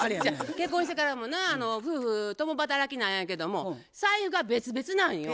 結婚してからもな夫婦共働きなんやけども財布が別々なんよ。